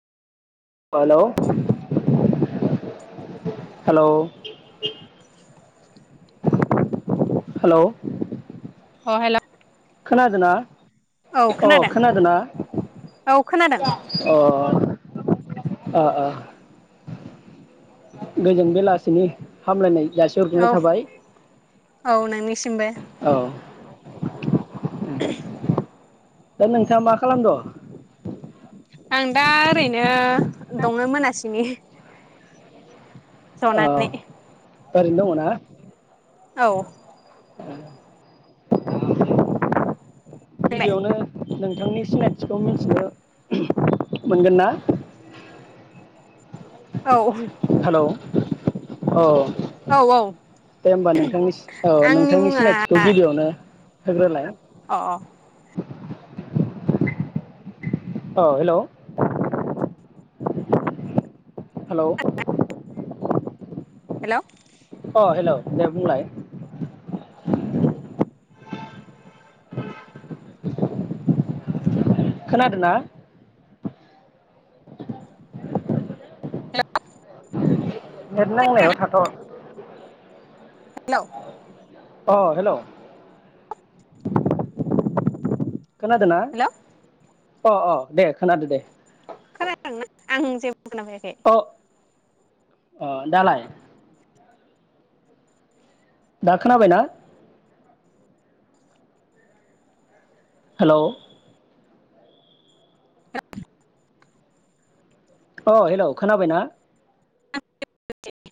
हेल हेल हेल अ हेल खोनादोंना? औ अ खोनादों खोनादोंना औ खोनादों अ अ अ गोजोन बेलासिनि हामलायनाय जासिहरग्रोनाय औ थाबाय औ नोंनिसिमबो औ दा नोंथाङा मा खालामद? आं दा ओरैनो दङ मोनासिनि जनानै ओरैनो दङना? औ नोंलाय गिबियावनो नोंथांनि सिनायथिखौ मिथिनो ओम मोनगोन ना? औ हेल औ औ औ दे होमबा नोंथांनि सिओ आंनि नोंथांनि मुङा सिनायथिखौ गिबियावनो होग्रो लाय अ औ हेल हेल हेल अ हेल दे बुंलाय खोनादों ना? नेट नांनायाव थाथ हेलौ अ हेलौ खोनादोंना हेल' अ अ दे खोनादो दे खोनादोंना आं जे बो खोनाखायाखै अ अ दालाय दा खोनाबायना? हेलौ अ हेलौ खोनाबायना [unintelligible]